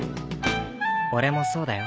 俺もそうだよ。